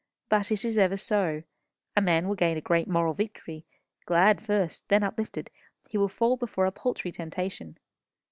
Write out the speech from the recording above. But it is ever so. A man will gain a great moral victory: glad first, then uplifted, he will fall before a paltry temptation.